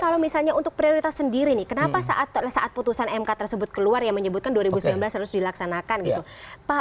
kalau misalnya untuk prioritas sendiri nih kenapa saat putusan mk tersebut keluar yang menyebutkan dua ribu sembilan belas harus dilaksanakan gitu